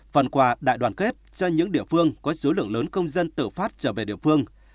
phần quà đại đoàn kết cho những địa phương có số lượng lớn công dân tự phát trở về địa phương